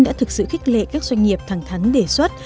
đã thực sự khích lệ các doanh nghiệp thẳng thắng đề xuất